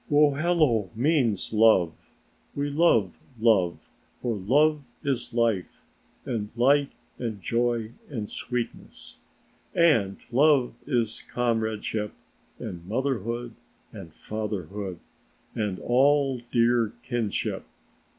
"Wohelo means love. We love Love, for love is life, and light and joy and sweetness, And love is comradeship and motherhood, and fatherhood, and all dear Kinship.